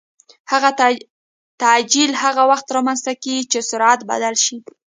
تعجیل هغه وخت رامنځته کېږي چې سرعت بدل شي.